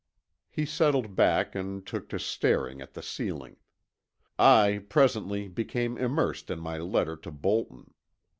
He settled back and took to staring at the ceiling. I, presently, became immersed in my letter to Bolton.